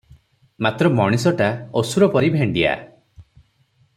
ମାତ୍ର ମଣିଷଟା ଅସୁର ପରି ଭେଣ୍ତିଆ ।